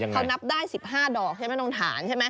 เขานับได้๑๕ดอกใช่ไหมตรงฐานใช่ไหม